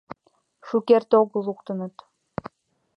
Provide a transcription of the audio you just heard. Шукерте огыл луктыныт.